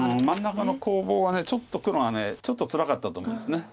真ん中の攻防はちょっと黒がちょっとつらかったと思うんです。